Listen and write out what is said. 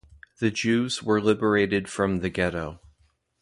The Jews were liberated from the ghetto.